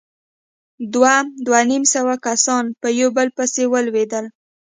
دوه، دوه نيم سوه کسان يو په بل پسې ولوېدل.